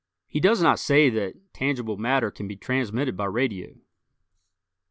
He does not say that tangible matter can be transmitted by radio.